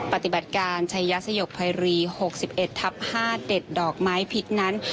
ปฏิบัติการชัยสยบภัยรี๖๑ทับ๕เด็ดดอกไม้พิษนั้น